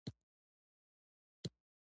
د ملاتړ کمېسیون له غړو سره مجلس ترسره سو.